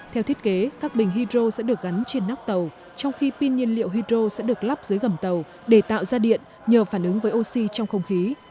theo thiết kế các bình hydro sẽ được gắn trên nóc tàu trong khi pin nhiên liệu hydro sẽ được lắp dưới gầm tàu để tạo ra điện nhờ phản ứng với oxy trong không khí